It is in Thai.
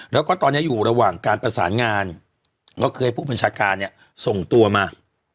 แล้วก็ตอนนี้อยู่ระหว่างการประสานงานก็คือให้ผู้บัญชาการเนี่ยส่งตัวมา